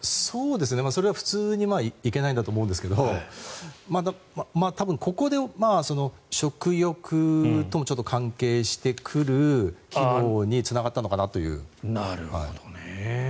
それは普通にいけないんだと思うんですけど多分ここで食欲ともちょっと関係してくる岐路につながったのかなという。